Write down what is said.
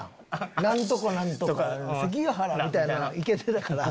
「何とか何とか関ヶ原」みたいなん行けてたから。